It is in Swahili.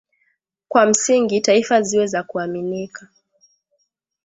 Kwa msingi, taarifa ziwe za kuaminika